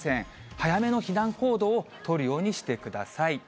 早めの避難行動を取るようにしてください。